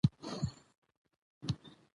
مېلې د غرو، سیندو او باغو ترڅنګ ډېر خوند کوي.